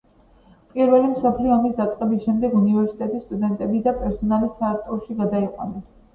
პირველი მსოფლიო ომის დაწყების შემდეგ უნივერსიტეტის სტუდენტები და პერსონალი სარატოვში გადაიყვანეს.